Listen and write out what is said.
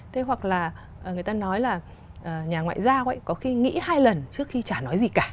thế hoặc là người ta nói là nhà ngoại giao có khi nghĩ hai lần trước khi chả nói gì cả